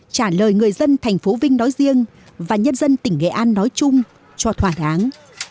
trả lời người dân thành phố vinh nói riêng và nhân dân tỉnh nghệ an nói chung cho thỏa đáng